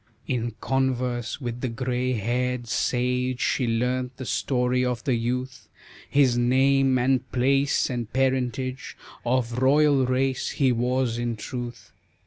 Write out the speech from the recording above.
In converse with the gray haired sage She learnt the story of the youth, His name and place and parentage Of royal race he was in truth.